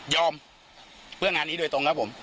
เพื่องานนี้โดยตรงครับผม